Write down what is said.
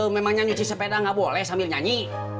memang nyanyi sepeda gak boleh sambil nyanyi